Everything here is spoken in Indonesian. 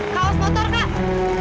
kau motor kak